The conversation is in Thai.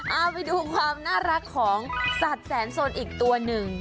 เอาไปดูความน่ารักของสัตว์แสนสนอีกตัวหนึ่ง